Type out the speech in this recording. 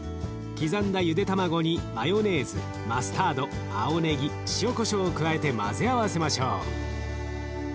刻んだゆで卵にマヨネーズマスタード青ねぎ塩こしょうを加えて混ぜ合わせましょう。